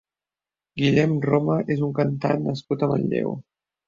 Guillem Roma és un cantant nascut a Manlleu.